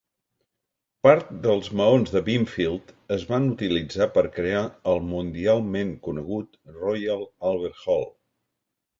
Part dels maons de Binfield es van utilitzar per crear el mundialment conegut Royal Albert Hall.